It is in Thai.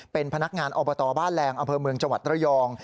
เป็นพนักงานอบตบ้านแรงอำเภอเมืองจังหวัดระยอง